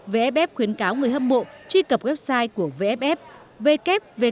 vff khuyến cáo người hấp mộ truy cập website của vff www vff org vn